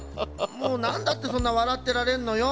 もうなんだってそんなわらってられるのよ。